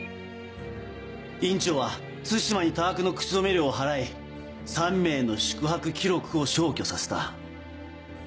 院長は対馬に多額の口止め料を払い３名の宿泊記録を消去させた。